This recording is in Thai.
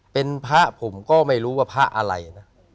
เป็นพระผมก็ไม่รู้ว่าพระอะไรนะ